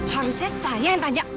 harusnya saya yang tanya